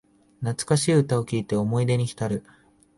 懐かしい歌を聴いて思い出にひたる